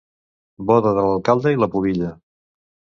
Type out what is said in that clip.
Boda de l'alcalde i la "Pubilla".